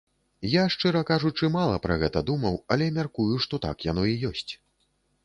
Я, шчыра кажучы, мала пра гэта думаў, але мяркую, што так яно і ёсць.